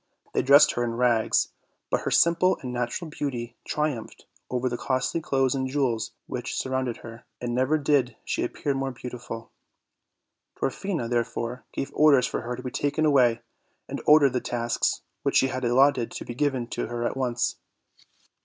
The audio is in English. They dressed her in rags, but her simple and natural beauty triumphed over the costly clothes and jewels which surrounded her, and never did she appear more beautiful. Dwarfina, therefore, gave orders for her to be taken away, and ordered the tasks which she had allotted to be given to her at once.